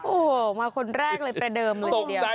โอ้โฮมาคนแรกเลยไปเดิมเลย